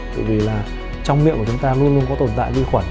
tại vì là trong miệng của chúng ta luôn luôn có tồn tại vi khuẩn